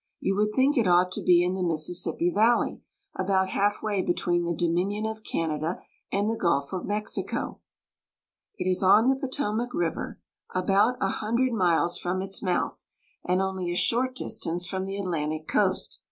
You would think it ought to be in the Mississippi Valley, about half way between the Dominion of Canada and the Gulf of Mexico. It is on the Potomac River, about a hundred OUR NATIONAL CAPITAL. 15 miles from its mouth, and only a short distance from the Atlantic coast.